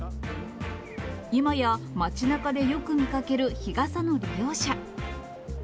今や街なかでよく見かける日傘の利用者。